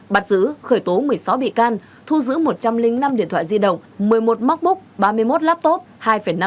bắt giữ khởi tố một mươi sáu bị can thu giữ một trăm linh năm điện thoại di động một mươi một móc búc ba mươi một laptop hai năm tấn sản phẩm chức năng